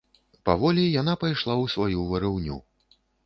Паволі яна пайшла ў сваю варыўню.